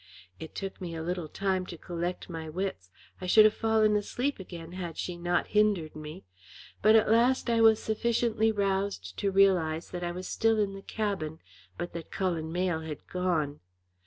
It took me a little time to collect my wits. I should have fallen asleep again had she not hindered me; but at last I was sufficiently roused to realise that I was still in the cabin, but that Cullen Mayle had gone.